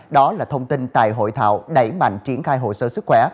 đó là thông tin tại hội thảo đẩy mạnh triển khai hồ sơ sức khỏe